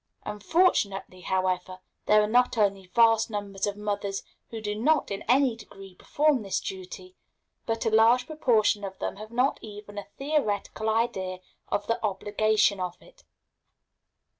Unfortunately, however, there are not only vast numbers of mothers who do not in any degree perform this duty, but a large proportion of them have not even a theoretical idea of the obligation of it.